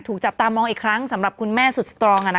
ถูกจับตามองอีกครั้งสำหรับคุณแม่สุดสตรอง